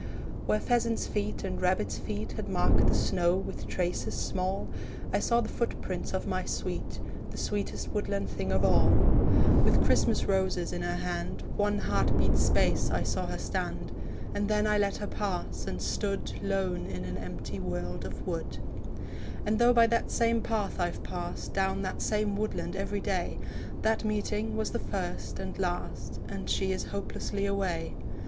Where pheasants' feet and rabbits' feet Had marked the snow with traces small, I saw the footprints of my sweet The sweetest woodland thing of all. With Christmas roses in her hand, One heart beat's space I saw her stand; And then I let her pass, and stood Lone in an empty world of wood. And though by that same path I've passed Down that same woodland every day, That meeting was the first and last, And she is hopelessly away.